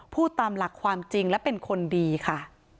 พูดตามหลักความจริงและเป็นคนดีค่ะ